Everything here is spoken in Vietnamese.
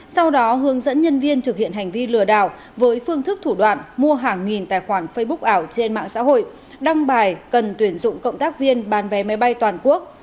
sau đó hướng dẫn nhân viên thực hiện hành vi lừa đảo với phương thức thủ đoạn mua hàng nghìn tài khoản facebook ảo trên mạng xã hội đăng bài cần tuyển dụng cộng tác viên bán vé máy bay toàn quốc